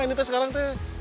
ini teh sekarang teh